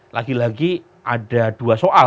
lagi lagi ada dua soal